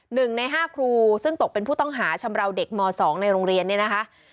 หนึ่งในห้าครูซึ่งตกเป็นผู้ต้องหาชำราวเด็กม๒ในโรงเรียนเนี่ยนะคะ